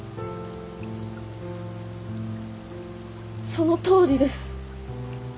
そのとおりです。